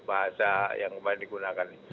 bahasa yang banyak digunakan